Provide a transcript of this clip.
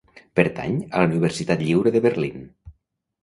Pertany a la Universitat Lliure de Berlín.